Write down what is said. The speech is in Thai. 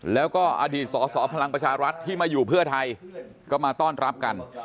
แล้วก็อดีตสอสอพลังประชารัฐที่มาอยู่เพื่อไทยก็มาต้อนรับกัน